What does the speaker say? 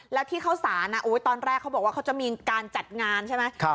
แล้วที่เข้าสารตอนแรกเขาบอกว่าเขาจะมีการจัดงานใช่ไหม